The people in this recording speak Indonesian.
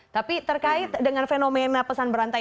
tapi terkait dengan fenomena pesan berantai